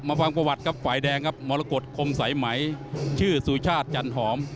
ฟังประวัติครับฝ่ายแดงครับมรกฏคมสายไหมชื่อสุชาติจันหอม